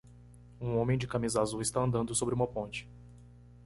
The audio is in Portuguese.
Um homem de camisa azul está andando sobre uma ponte